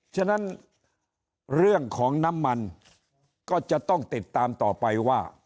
ฉะนั้นเรื่องของน้ำมันก็จะต้องติดตามต่อไปว่า